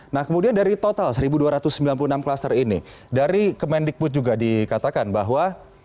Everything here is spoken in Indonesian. nah kemudian dari total satu dua ratus sembilan puluh enam klaster ini dari kemendikbud juga dikatakan bahwa